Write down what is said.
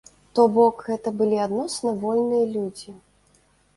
То бок, гэта былі адносна вольныя людзі.